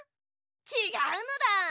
ちがうのだ。